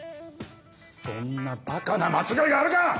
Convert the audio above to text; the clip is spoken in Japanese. そんなばかな間違いがあるか！